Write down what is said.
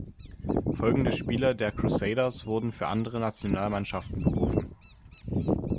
Folgende Spieler der Crusaders wurden für andere Nationalmannschaften berufen.